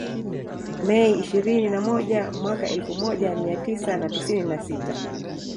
Mei ishirini na moja mwaka elfu moja mia tisa na tisini na sita